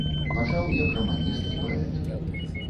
Пачаў як раманіст і паэт.